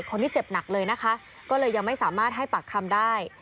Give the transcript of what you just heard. คนนี้เจ็บหนักเลยนะคะก็เลยยังไม่สามารถให้ปากคำได้